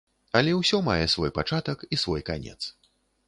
Але ўсё мае свой пачатак і свой канец.